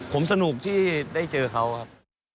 ผมสนุกที่ได้เจอเขาครับ